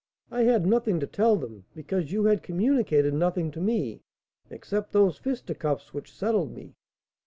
I had nothing to tell them, because you had communicated nothing to me, except those fisticuffs which settled me.